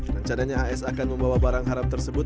rencananya as akan membawa barang haram tersebut